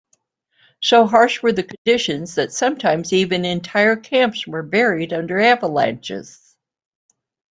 So harsh were the conditions that sometimes even entire camps were buried under avalanches.